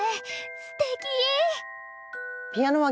すてき！